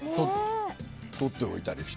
取っておいたりして。